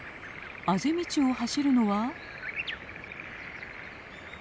あぜ道を走るのは。